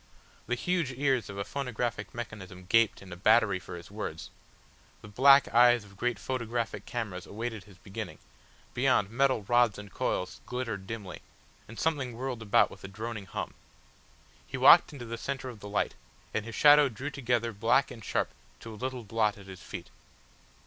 The huge ears of a phonographic mechanism gaped in a battery for his words, the black eyes of great photographic cameras awaited his beginning, beyond metal rods and coils glittered dimly, and something whirled about with a droning hum. He walked into the centre of the light, and his shadow drew together black and sharp to a little blot at his feet.